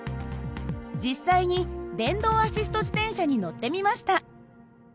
実際に電動アシスト自転車に乗ってみました。